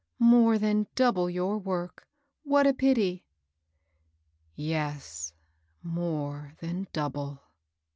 More than double your work. What a pity I "" Yes, — more than double."